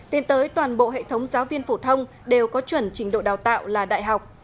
tiến tới toàn bộ hệ thống giáo viên phổ thông đều có chuẩn trình độ đào tạo là đại học